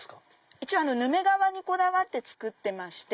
一応ヌメ革にこだわって作ってまして。